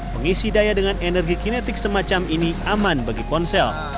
pengisi daya dengan energi kinetik semacam ini aman bagi ponsel